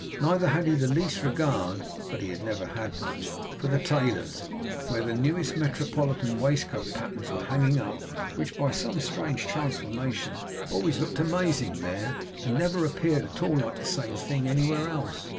Neither had he the least regard (but he never had much) for the tailors', where the newest metropolitan waistcoat patterns were hanging up, which by some strange transformation always looked amazing there, and never appeared at all like the same thing anywhere else.